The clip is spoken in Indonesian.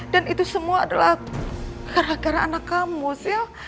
dan itu semua adalah gara gara anak kamu sil